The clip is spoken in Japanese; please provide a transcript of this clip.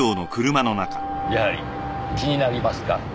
やはり気になりますか？